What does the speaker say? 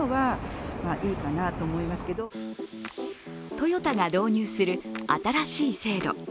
トヨタが導入する新しい制度。